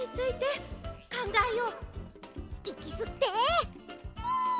いきすって。